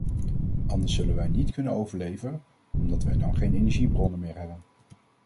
Anders zullen wij niet kunnen overleven, omdat wij dan geen energiebronnen meer hebben.